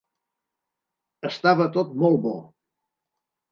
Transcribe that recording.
Estava tot molt bo.